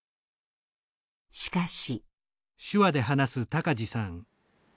しかし。